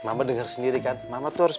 mama dengar sendiri kan mama tuh harus